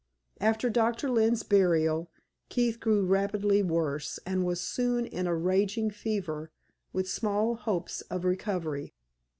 After Doctor Lynne's burial, Keith grew rapidly worse, and was soon in a raging fever, with small hopes of recovery.